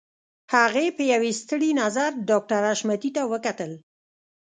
هغې په يوه ستړي نظر ډاکټر حشمتي ته وکتل.